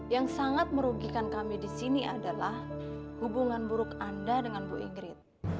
yang sangat merugikan kami di sini adalah hubungan buruk anda dengan bu igri